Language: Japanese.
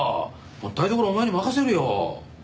もう台所お前に任せるよ。